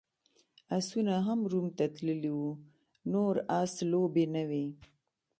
اسونه هم روم ته تللي وو، نور اس لوبې نه وې.